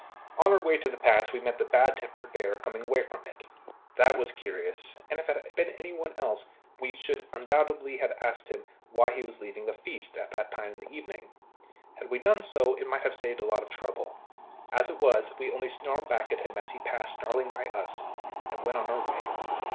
On our way to the patch we met the bad tempered bear coming away from it. That was curious, and if it had been anybody else we should undoubtedly have asked him why he was leaving the feast at that time in the evening. Had we done so, it might have saved a lot of trouble. As it was, we only snarled back at him as he passed snarling by us, and went on our way.